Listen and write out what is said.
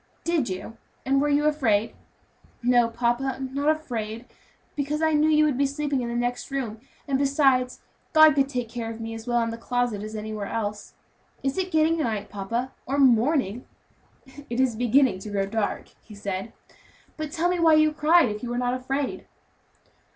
"Did you? and were you afraid?" "No, papa, not afraid, because I know you would be sleeping in the next room; and besides, God could take care of me as well in the closet as anywhere else. Is it getting night, papa, or morning?" "It is beginning to grow dark," he said. "But tell me why you cried, if you were not afraid."